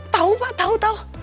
tahu pak tahu tahu